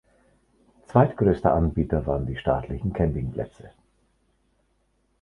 Zweitgrößter Anbieter waren die staatlichen Campingplätze.